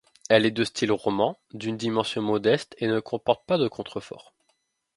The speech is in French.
Elle est de style roman, d’une dimension modeste, et ne comporte pas de contreforts.